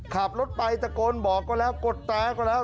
ขับรถไปตะโกนบอกก็แล้วกดแตรก็แล้ว